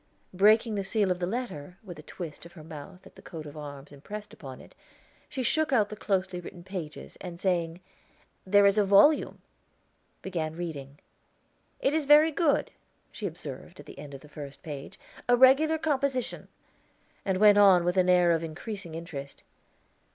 Breaking the seal of the letter, with a twist of her mouth at the coat of arms impressed upon it, she shook out the closely written pages, and saying, "There is a volume," began reading. "It is very good," she observed at the end of the first page, "a regular composition," and went on with an air of increasing interest.